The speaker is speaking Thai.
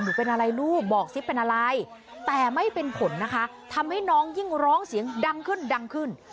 เป็นอะไรลูกบอกซิเป็นอะไรแต่ไม่เป็นผลนะคะทำให้น้องยิ่งร้องเสียงดังขึ้นดังขึ้น